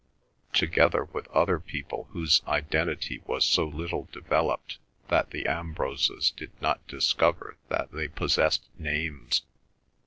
together with other people whose identity was so little developed that the Ambroses did not discover that they possessed names.